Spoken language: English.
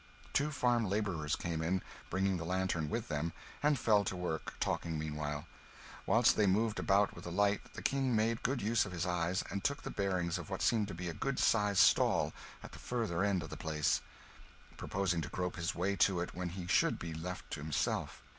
Two farm labourers came in, bringing the lantern with them, and fell to work, talking meanwhile. Whilst they moved about with the light, the King made good use of his eyes and took the bearings of what seemed to be a good sized stall at the further end of the place, purposing to grope his way to it when he should be left to himself.